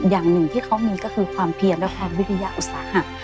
อย่างหนึ่งที่เขามีก็คือความเพียรและความวิทยาอุตสาหะ